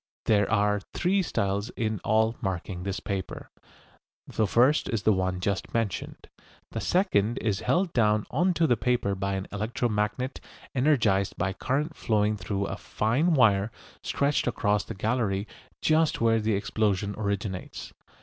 There are three styles in all marking this paper. The first is the one just mentioned. The second is held down on to the paper by an electro magnet energised by current flowing through a fine wire stretched across the gallery just where the explosion originates.